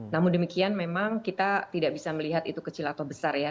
namun demikian memang kita tidak bisa melihat itu kecil atau besar ya